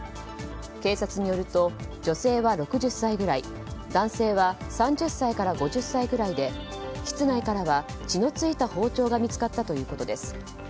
警察によると女性は６０歳ぐらい男性は３０歳から５０歳ぐらいで室内からは血の付いた包丁が見つかったということです。